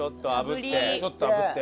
ちょっと炙って。